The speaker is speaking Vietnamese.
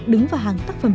đứng vào hàng tác phẩm